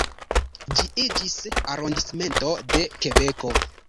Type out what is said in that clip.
Ĝi iĝis arondismento de Kebeko.